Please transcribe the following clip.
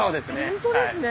本当ですね。